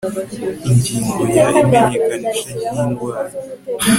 ingingo ya imenyekanisha ry indwara